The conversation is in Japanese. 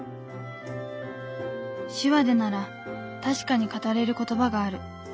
手話でなら確かに語れる言葉がある。